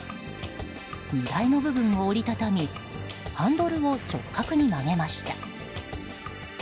荷台の部分を折り畳みハンドルを直角に曲げました。